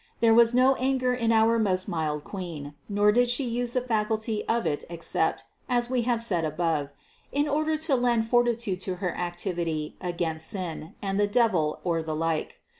There was no anger in our most mild Queen, nor did She use the faculty of it except, as we have said above, in order to lend fortitude to her activity against sin and the devil or the like.